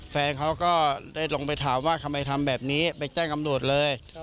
แฟนเขาก็ได้ลงไปถามว่าทำไมทำแบบนี้ไปแจ้งตำรวจเลย